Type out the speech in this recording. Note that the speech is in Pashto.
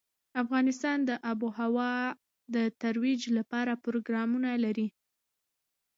افغانستان د آب وهوا د ترویج لپاره پروګرامونه لري.